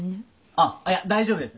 あっあっいや大丈夫です。